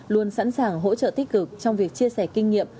luôn sẵn sàng hỗ trợ tích cực trong việc chia sẻ kinh nghiệm